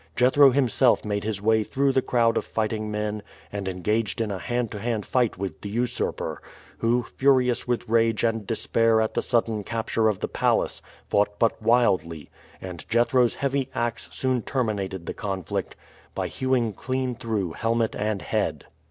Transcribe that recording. Jethro himself made his way through the crowd of fighting men and engaged in a hand to hand fight with the usurper, who, furious with rage and despair at the sudden capture of the palace, fought but wildly, and Jethro's heavy ax soon terminated the conflict by hewing clean through helmet and head.